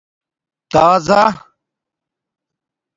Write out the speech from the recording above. تازا